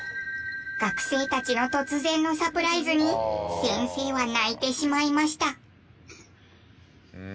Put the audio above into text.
学生たちの突然のサプライズに先生は泣いてしまいました。